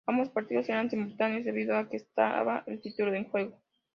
Ambos partidos eran simultáneos debido a que estaba el título en juego.